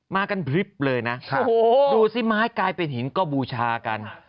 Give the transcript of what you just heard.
มากันพริบเลยนะดูสิไม้กลายเป็นหินก็บูชากัน